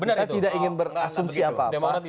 mereka tidak ingin berasumsi apa apa